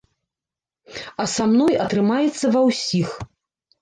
А са мной атрымаецца ва ўсіх.